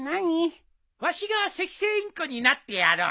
わしがセキセイインコになってやろう。